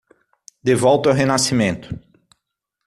De volta ao renascimento